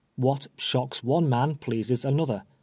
What shocks one man pleases another.